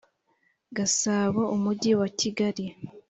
gasabo umujyi wa kigali